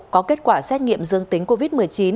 có kết quả xét nghiệm dương tính covid một mươi chín